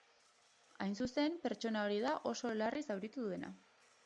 Hain zuzen, pertsona hori da oso larri zauritu dena.